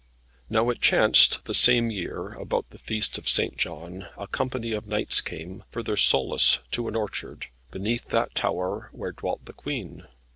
Now it chanced, the same year, about the feast of St. John, a company of knights came, for their solace, to an orchard, beneath that tower where dwelt the Queen.